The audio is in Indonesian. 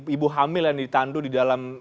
ibu hamil yang ditandu di dalam